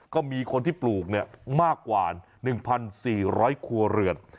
ก็มีคนที่ปลูกมากกว่า๑๔๐๐ครัวเรือน